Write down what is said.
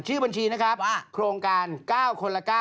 ชื่อบัญชีนะครับโครงการ๙คนละ๙